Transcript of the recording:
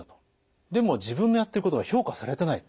でも自分のやってることが評価されてない。